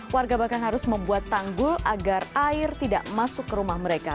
warga bahkan harus membuat tanggul agar air tidak masuk ke rumah mereka